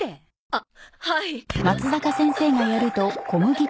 あっはい。